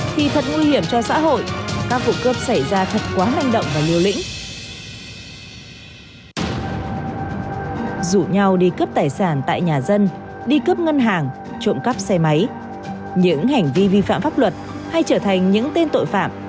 thậm chí dẫn tới hành vi vi phạm pháp luật như vậy